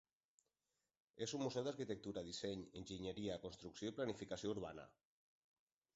És un museu de arquitectura, disseny, enginyeria, construcció i planificació urbana.